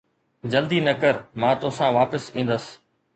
جلدي نه ڪر، مان توسان واپس ايندس